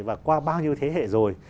và qua bao nhiêu thế hệ rồi